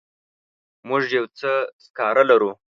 موږ یو څه سکاره لرو.